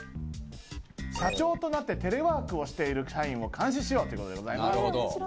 社長となってテレワークをしている社員を監視しようということでございます。